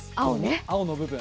青の部分。